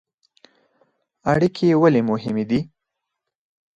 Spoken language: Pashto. اړیکې ولې مهمې دي؟